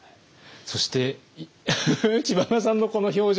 そして知花さんのこの表情。